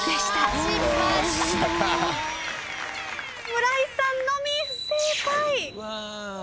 村井さんのみ不正解。